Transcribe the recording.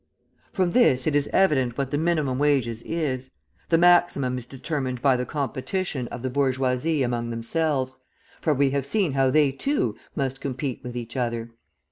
From this it is evident what the minimum of wages is. The maximum is determined by the competition of the bourgeoisie among themselves; for we have seen how they, too, must compete with each other.